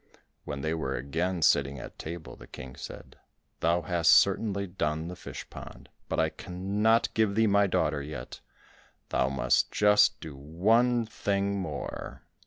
When they were again sitting at table the King said, "Thou hast certainly done the fish pond, but I cannot give thee my daughter yet; thou must just do one thing more."